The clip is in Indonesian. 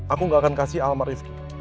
aku gak akan kasih alamat rifki